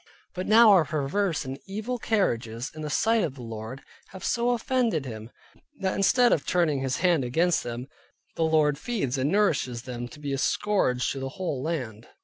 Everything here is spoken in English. But now our perverse and evil carriages in the sight of the Lord, have so offended Him, that instead of turning His hand against them, the Lord feeds and nourishes them up to be a scourge to the whole land.